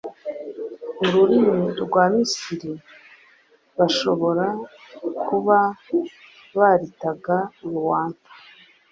mu rurimi rwa Misiri bashobora kuba baritaga Ruanta.